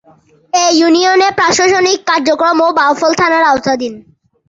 এ ইউনিয়নের প্রশাসনিক কার্যক্রম বাউফল থানার আওতাধীন।